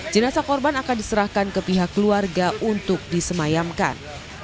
jenazah korban akan diserahkan ke pihak keluarga untuk disemayamkan